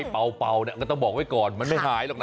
เป่าเนี่ยก็ต้องบอกไว้ก่อนมันไม่หายหรอกนะ